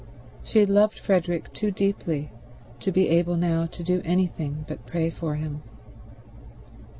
She had loved Frederick too deeply to be able now to do anything but pray for him.